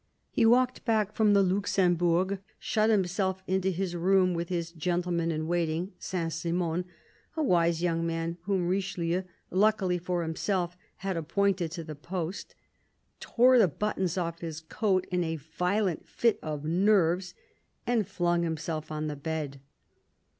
He walked back from the Luxembourg, shut himself into his room with his gentleman in waiting, Saint Simon — a wise young man whom Richelieu, luckily for himself, had appointed to the post — tore the buttons off his coat in a violent fit of nerves, and flung himself on the bed.